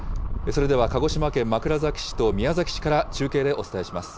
それでは鹿児島県枕崎市と宮崎市から中継でお伝えします。